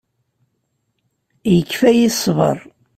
Yekfa-yi ṣṣber.